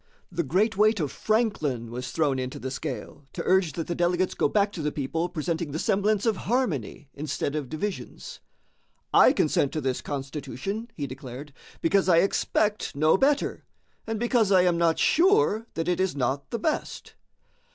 The great weight of Franklin was thrown into the scale to urge that the delegates go back to the people presenting the semblance of harmony instead of divisions. "I consent to this Constitution," he declared, "because I expect no better, and because I am not sure that it is not the best."